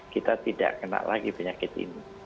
kita tidak kena lagi penyakit ini